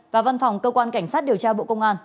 và văn phòng cơ quan cảnh sát điều tra bộ công an